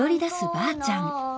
ばあちゃん。